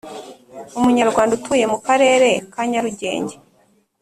umunyarwanda utuye mu karere ka Nyarugenge